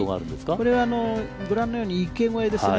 これはご覧のように池越えですね。